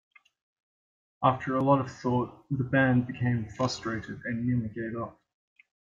After a lot of thought, the band became frustrated and nearly gave up.